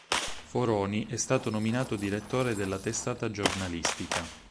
Foroni è stato nominato direttore della testata giornalistica.